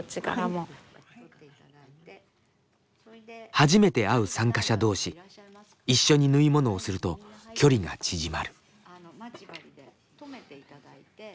初めて会う参加者同士一緒に縫い物をすると距離が縮まる。